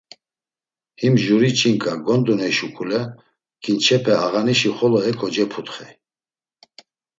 Him juri ç̌inǩa, gonduney şuǩule ǩinçepe ağanişi xolo heko ceputxey.